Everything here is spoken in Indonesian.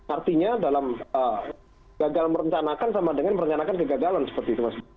artinya dalam gagal merencanakan sama dengan merencanakan kegagalan seperti itu mas